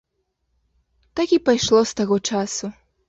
Так і пайшло з таго часу.